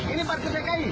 ini parkir dki